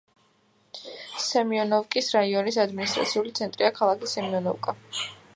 სემიონოვკის რაიონის ადმინისტრაციული ცენტრია ქალაქი სემიონოვკა.